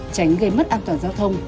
tránh gây mất an toàn giao thông